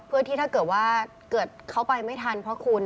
เพื่อที่ถ้าเกิดว่าเกิดเขาไปไม่ทันเพราะคุณ